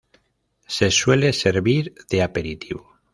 Se suele servir de aperitivo.